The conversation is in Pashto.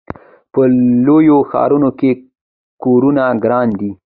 په لویو ښارونو کې کورونه ګران دي.